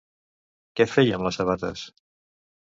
Què feia amb les sabates?